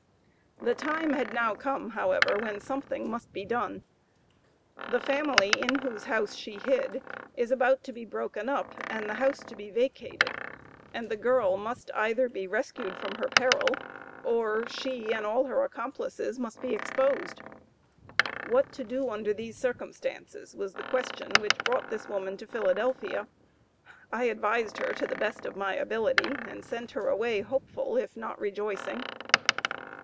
The time had now come, however, when something must be done. The family in whose house she is hid is about to be broken up, and the house to be vacated, and the girl must either be rescued from her peril, or she, and all her accomplices must be exposed. What to do under these circumstances was the question which brought this woman to Philadelphia. I advised her to the best of my ability, and sent her away hopeful, if not rejoicing.